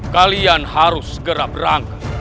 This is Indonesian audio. kalian harus segera berangkat